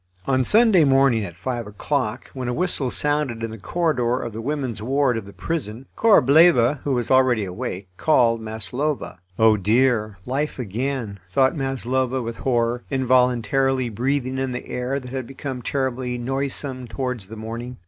On Sunday morning at five o'clock, when a whistle sounded in the corridor of the women's ward of the prison, Korableva, who was already awake, called Maslova. "Oh, dear! life again," thought Maslova, with horror, involuntarily breathing in the air that had become terribly noisome towards the morning.